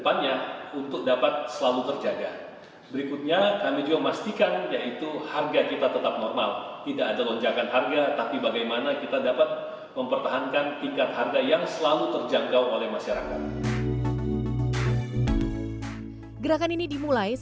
saya bagaimana kewenangan giliran pembangunan pasar menggdi